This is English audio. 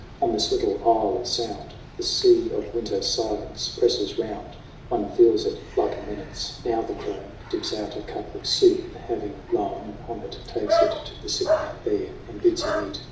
On this little isle of sound The sea of winter silence presses round One feels it like a menace. JAMIE 119 Now the crone Dips out a cup of soup, and having blown Upon it, takes it to the sick man there And bids him eat.